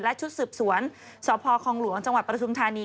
และชุดสืบสวนสพคลจังหวัดประทุมธารีย์